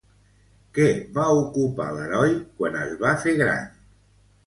Què va ocupar l'heroi quan es va fer gran?